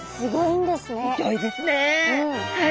はい。